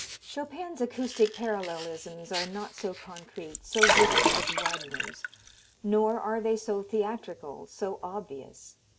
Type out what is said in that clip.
Chopin's acoustic parallelisms are not so concrete, so vivid as Wagner's. Nor are they so theatrical, so obvious.